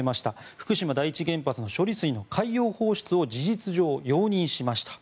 福島第一原発の処理水の海洋放出を事実上容認しました。